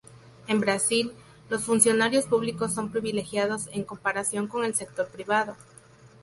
En Brasil, los funcionarios públicos son privilegiados en comparación con el sector privado.